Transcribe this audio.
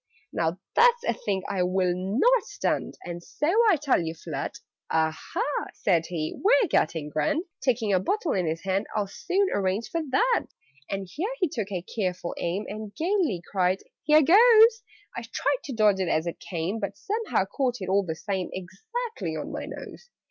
"Now that's a thing I will not stand, And so I tell you flat." "Aha," said he, "we're getting grand!" (Taking a bottle in his hand) "I'll soon arrange for that!" And here he took a careful aim, And gaily cried "Here goes!" I tried to dodge it as it came, But somehow caught it, all the same, Exactly on my nose.